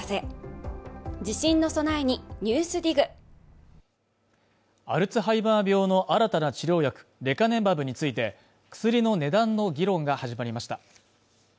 「のりしお」もねアルツハイマー病の新たな治療薬レカネマブについて薬の値段の議論が始まりました